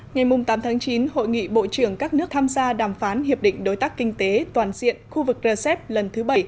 ngày tám chín hội nghị bộ trưởng các nước tham gia đàm phán hiệp định đối tác kinh tế toàn diện khu vực rcep lần thứ bảy